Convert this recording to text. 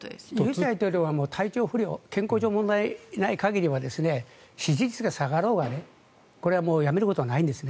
尹大統領は健康上、問題がない限りは支持率が下がろうがこれは辞めることはないんです。